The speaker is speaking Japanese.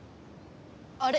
あれ？